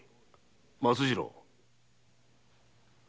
松次郎。